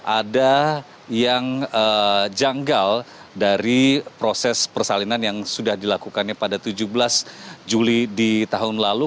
ada yang janggal dari proses persalinan yang sudah dilakukannya pada tujuh belas juli di tahun lalu